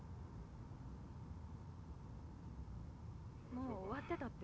・もう終わってたって？